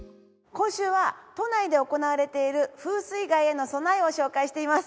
今週は都内で行われている風水害への備えを紹介しています。